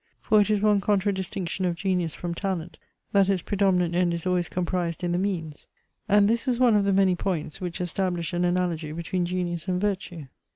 For it is one contradistinction of genius from talent, that its predominant end is always comprised in the means; and this is one of the many points, which establish an analogy between genius and virtue.